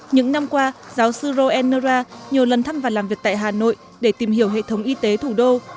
những năm qua giáo sư roennerra nhiều lần thăm và làm việc tại hà nội để tìm hiểu hệ thống y tế thủ đô